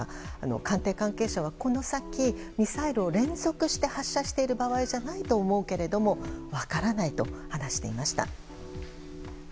官邸関係者は、この先ミサイルを連続して発射している場合じゃないと思うけど分からないと話していました。